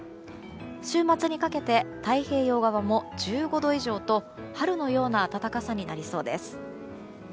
週末にかけて太平洋側も１５度以上と春のような暖かさになりそうです。